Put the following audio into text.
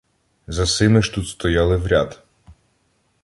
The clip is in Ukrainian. За сими ж тут стояли в ряд: